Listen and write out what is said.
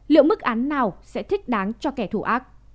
liệu mức án nào sẽ thích đáng cho kẻ thù ác